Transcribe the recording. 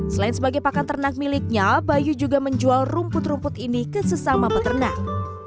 selain sebagai pakan ternak miliknya bayu juga menjual rumput rumput ini ke sesama peternak